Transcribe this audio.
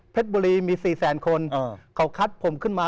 เผ็ดบุรีมี๔๐๐๐๐๐คน